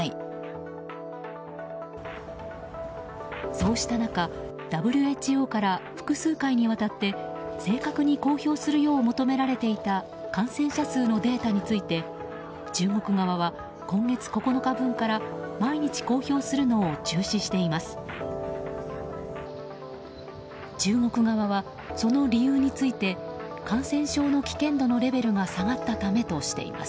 そうした中ＷＨＯから複数回にわたって正確に公表するよう求められていた感染者数のデータについて中国側は今月９日分から毎日公表するのを中止しています。